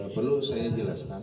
perlu saya jelaskan